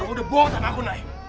kamu udah bohong sama aku nay